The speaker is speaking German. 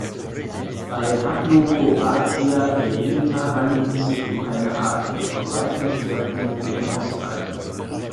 Bei "Haploporatia eremita" handelt es sich um eine Art mit Verbreitungsschwerpunkt in den Ostalpen.